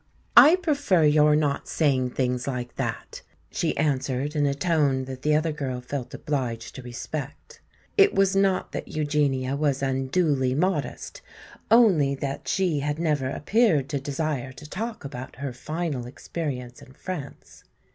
"I prefer your not saying things like that," she answered in a tone that the other girl felt obliged to respect. It was not that Eugenia was unduly modest. Only that she had never appeared to desire to talk about her final experience in France.